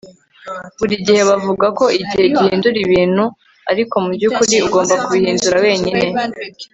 buri gihe bavuga ko igihe gihindura ibintu, ariko mu byukuri ugomba kubihindura wenyine. - andy warhol